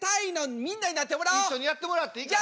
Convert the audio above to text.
一緒にやってもらっていいかな？